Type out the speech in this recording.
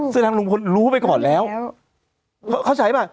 ซึ่งทางลุงพลรู้ไปก่อนแล้วเข้าใจป่ะ